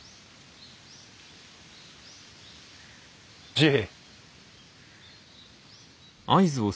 治平。